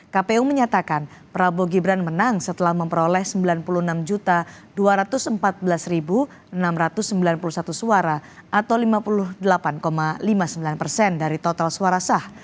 kpu menyatakan prabowo gibran menang setelah memperoleh sembilan puluh enam dua ratus empat belas enam ratus sembilan puluh satu suara atau lima puluh delapan lima puluh sembilan persen dari total suara sah